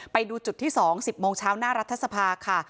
ไปดูจุดที่๒๑๐โมงเช้าหน้ารัฐสภาค่ะ